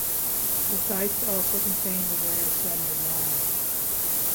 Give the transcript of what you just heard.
The sites also contain the rare slender naiad.